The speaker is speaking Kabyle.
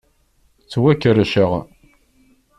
Ttwakerrceɣ.